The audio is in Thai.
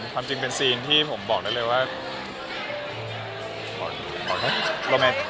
ความจริงเป็นซีนที่ผมบอกได้เลยว่า